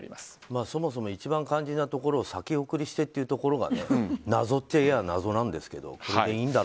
そもそも一番肝心なところを先送りしてっていうところが謎といえば謎なんですけど。